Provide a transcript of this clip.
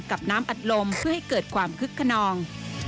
กับน้ำอัดลมเพื่อให้เกิดความคึกขนอง